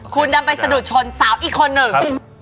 คุณจะไปสะดุดชนสาวอีกคนหนึ่งครับ